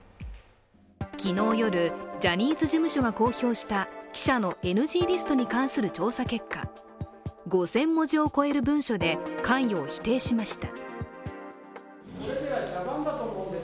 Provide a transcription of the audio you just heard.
昨日夜、ジャニーズ事務所が作成した記者のＮＧリストに関する調査結果、５０００文字を超える文書で関与を否定しました。